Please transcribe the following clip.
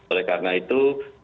oleh karena itu